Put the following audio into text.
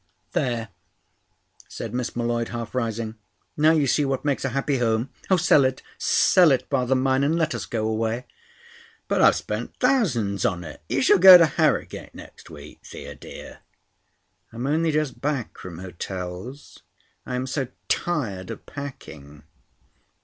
"There," said Miss M'Leod, half rising. "Now you see what makes a happy home. Oh, sell it—sell it, father mine, and let us go away!" "But I've spent thousands on it. You shall go to Harrogate next week, Thea dear." "I'm only just back from hotels. I am so tired of packing."